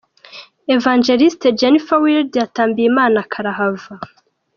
Ev Jennifer Wilde yatambiye Imana karahava.